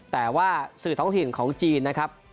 แต่ว่าสื่อท้องถิ่นของจีนนะครับ